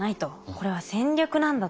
これは戦略なんだと。